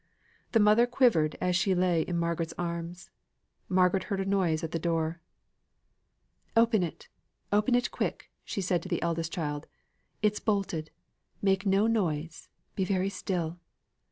The mother quivered as she lay in Margaret's arms. Margaret heard a noise at the door. "Open it. Open it quick," said she to the eldest child. "It's bolted; make no noise be very still.